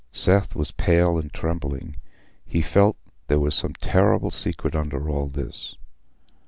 Seth was pale and trembling: he felt there was some terrible secret under all this.